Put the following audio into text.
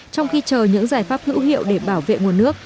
trong khi chờ những giải pháp hữu hiệu để bảo vệ nguồn nước